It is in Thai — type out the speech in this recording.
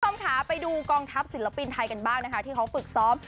ค่ะไปดูกองทัพศิลปินไทยกันบ้างนะคะที่เค้าปึกซ้อม